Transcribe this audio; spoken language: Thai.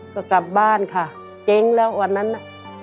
ก็กลับบ้านค่ะเจ๊งแล้ววันนั้นน่ะ